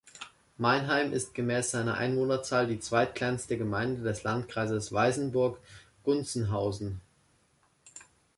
Meinheim ist gemäß seiner Einwohnerzahl die zweitkleinste Gemeinde des Landkreises Weißenburg-Gunzenhausen.